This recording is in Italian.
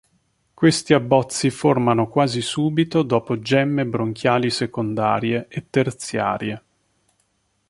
Questi abbozzi formano quasi subito dopo "gemme bronchiali secondarie" e "terziarie".